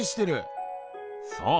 そう。